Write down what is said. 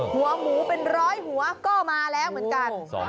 หัวหมูเป็นร้อยหัวก็มาแล้วเหมือนกัน